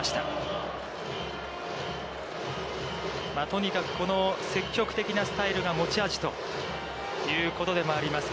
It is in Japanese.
とにかくこの積極的なスタイルが持ち味ということでもあります